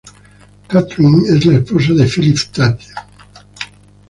Kathryn es la esposa de Philip Tate.